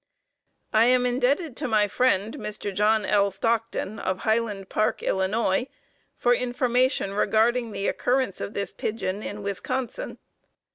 I am indebted to my friend, Mr. John L. Stockton, of Highland Park, Ill., for information regarding the occurrence of this pigeon in Wisconsin.